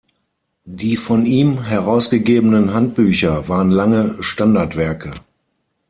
Die von ihm herausgegebenen Handbücher waren lange Standardwerke.